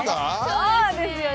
そうですよね。